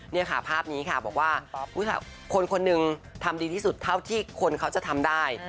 นี่ค่ะภาพนี้ค่ะบอกว่าคนคนหนึ่งทำดีที่สุดเท่าที่คนเขาจะทำได้